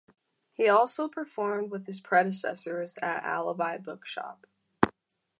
He also performed with his predecessors at Alibi Bookshop.